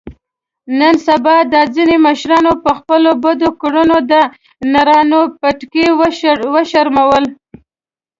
نن سبا دا ځنې مشرانو په خپلو بدو کړنو د نرانو پټکي و شرمول.